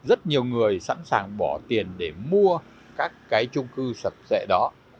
rất nhiều người sẵn sàng bỏ tiền để mua các cái trung cư sập sệ đó